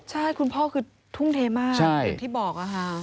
ใช่คุณพ่อคือทุ่มเทมากอย่างที่บอกค่ะ